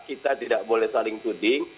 kita tidak boleh saling tuding